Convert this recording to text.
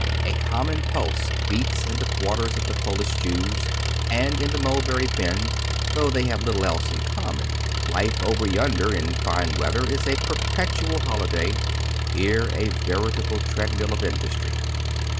A common pulse beats in the quarters of the Polish Jews and in the Mulbeny Bend, though they have little else in common. Life over yonder in fine weather is a perpetual holiday, here a veritable tread mill of industry.